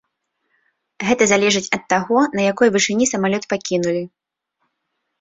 Гэта залежыць ад таго, на якой вышыні самалёт пакінулі.